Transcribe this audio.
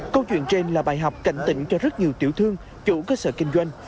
câu chuyện trên là bài học cảnh tỉnh cho rất nhiều tiểu thương chủ cơ sở kinh doanh